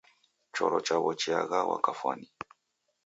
Choro chawo chiaghwagha kafwani.